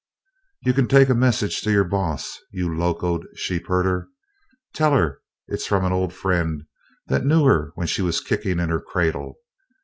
"You kin take a message to your boss you locoed sheepherder. Tell her it's from an old friend that knew her when she was kickin' in her cradle.